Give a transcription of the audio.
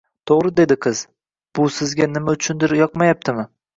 To`g`ri, dedi qiz, bu sizga nima uchundir yoqmayaptimi